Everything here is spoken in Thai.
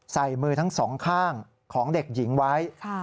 ใส่มือทั้งสองข้างของเด็กหญิงไว้